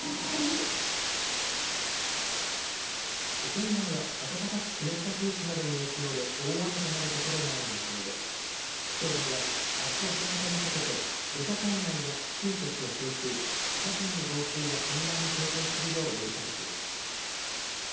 県内は暖かく湿った空気などの影響で大雨となる所がある見込みで気象台は、あす明け方にかけて土砂災害や低い土地の浸水、河川の増水や氾濫に警戒するよう呼びかけています。